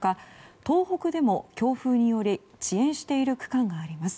東北でも、強風により遅延している区間があります。